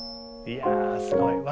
いやすごい。